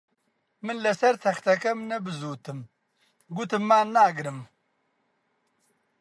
من لەسەر تەختەکەم نەبزووتم، گوتم مان ناگرم